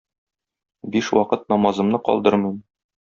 Биш вакыт намазымны калдырмыйм.